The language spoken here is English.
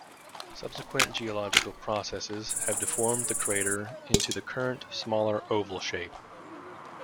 Subsequent geological processes have deformed the crater into the current smaller oval shape.